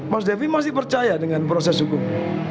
mas devi masih percaya dengan proses hukum